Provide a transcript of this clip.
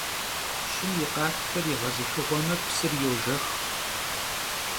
Ş'ım yi khatxer yêğezıxığueme, psır yojjex.